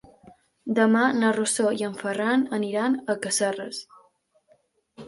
Demà na Rosó i en Ferran aniran a Casserres.